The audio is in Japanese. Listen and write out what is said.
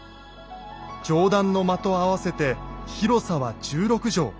上段の間と合わせて広さは１６畳。